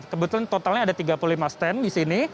kebetulan totalnya ada tiga puluh lima stand di sini